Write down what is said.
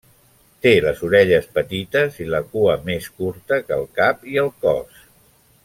Té les orelles petites i la cua més curta que el cap i el cos.